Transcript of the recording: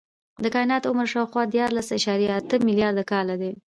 د کائنات عمر شاوخوا دیارلس اعشاریه اته ملیارده کاله دی.